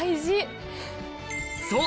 そう！